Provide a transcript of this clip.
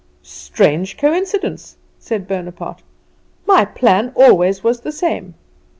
"Strange coincidence," said Bonaparte; "my plan always was the same.